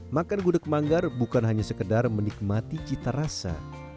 makan gudeg manggar bukan hanya sekedar menikmati cita rasa